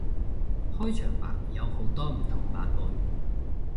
開場白有好多唔同版本